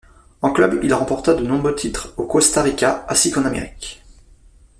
En club, il remporta de nombreux titres au Costa Rica, ainsi qu'en Amérique.